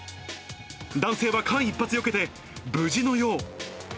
男性は間一髪よけて、無事のよう。